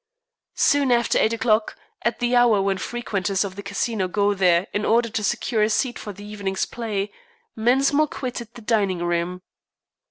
Soon after eight o'clock, at the hour when frequenters of the Casino go there in order to secure a seat for the evening's play, Mensmore quitted the dining room.